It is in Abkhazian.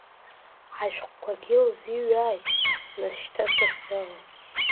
Ашәҟәқәагьы лзиҩааит, нас шьҭа, сыхьӡала.